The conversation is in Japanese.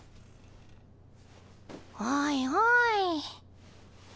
「おいおい」